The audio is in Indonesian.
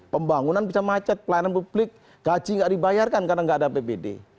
pembangunan bisa macet pelayanan publik gaji tidak dibayarkan karena tidak ada bpd